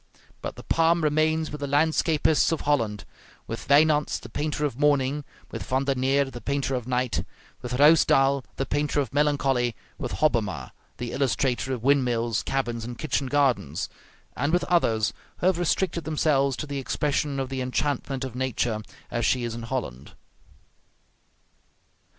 But the palm remains with the landscapists of Holland; with Wynants the painter of morning, with Van der Neer the painter of night, with Ruysdael the painter of melancholy, with Hobbema the illustrator of windmills, cabins, and kitchen gardens, and with others who have restricted themselves to the expression of the enchantment of nature as she is in Holland.